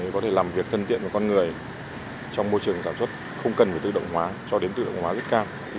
có thể làm việc thân thiện với con người trong môi trường sản xuất không cần phải tự động hóa cho đến tự động hóa rất cao